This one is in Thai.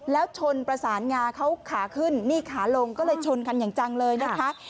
แล้วชนประสานงาเขาขาขึ้นนี่ขาลงก็เลยชนกันอย่างจังเลยนะคะ